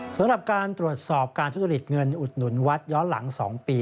สำหรับการตรวจสอบการทุจริตเงินอุดหนุนวัดย้อนหลัง๒ปี